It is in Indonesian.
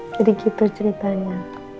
jadi gitu ceritanya